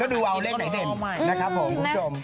ดูเอาเลขไหนเด่นนะครับผมคุณผู้ชม